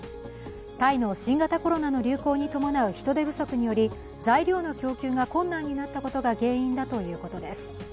タイの新型コロナの流行に伴う人手不足により材料の供給が困難になったことが原因だということです。